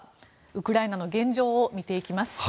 ウクライナの現状を見ていきます。